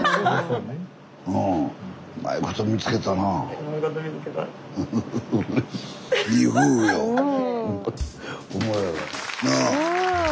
うん。